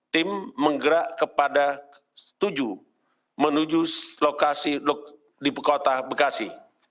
tim menggerak kepada tujuh menuju lokasi di kota bekasi